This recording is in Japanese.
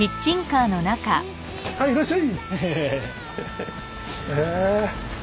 はいいらっしゃい！